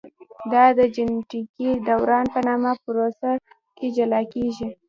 دا د جینټیکي دوران په نامه پروسه کې جلا کېږي.